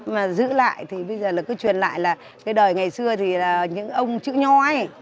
mà giữ lại thì bây giờ là cứ truyền lại là cái đời ngày xưa thì là những ông chữ nho ấy